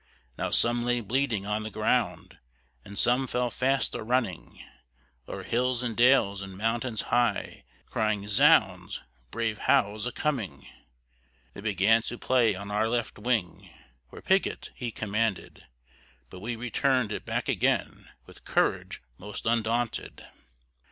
Now some lay bleeding on the ground, And some fell fast a running O'er hills and dales, and mountains high, Crying, "Zounds! brave Howe's a coming." They 'gan to play on our left wing, Where Pigot, he commanded; But we returned it back again, With courage most undaunted.